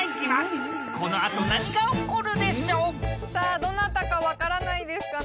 どなたか分からないですかね？